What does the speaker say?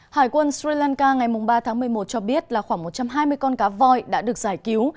hải quân sri lanka ngày ba tháng một mươi một cho biết là khoảng một trăm hai mươi con cá voi đã được giải cứu